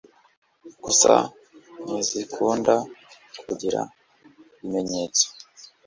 Gusa ntizikunda kugira ibimenyetso